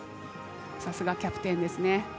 さすがキャプテンですね。